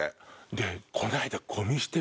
でこの間。